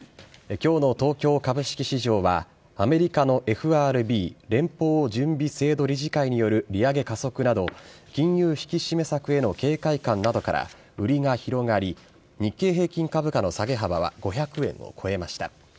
きょうの東京株式市場は、アメリカのＦＲＢ・連邦準備制度理事会による利上げ加速など、金融引き締め策への警戒感などから売りが広がり、日経平均株価の下げ幅は５００円を超えました。